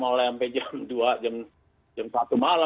dan jam empat malam gitu itu jam jamnya dia enggak bisa beroperasi sama sekali